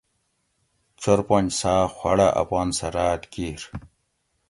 چور پونج ساۤ خوڑہ اپان سہ راۤت کِیر